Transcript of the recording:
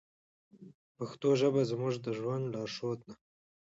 پښتو ژبه زموږ د ژوند لارښود ده.